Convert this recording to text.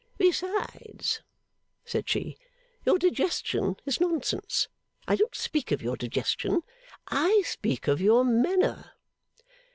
'Besides,' said she, 'your digestion is nonsense. I don't speak of your digestion. I speak of your manner.